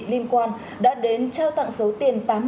liên quan đã đến trao tặng số tiền